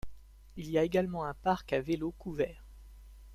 Il y a également un parc à vélo couvert.